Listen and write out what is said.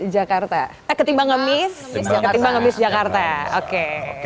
jakarta ketimbang ngemis jakarta oke